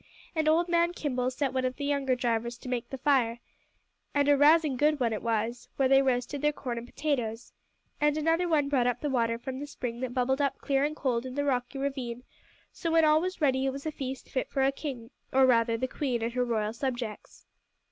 And old man Kimball set one of the younger drivers to make the fire and a rousing good one it was where they roasted their corn and potatoes. And another one brought up the water from the spring that bubbled up clear and cold in the rocky ravine, so when all was ready it was a feast fit for a king, or rather the queen and her royal subjects.